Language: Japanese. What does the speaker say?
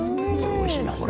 おいしいなこれ。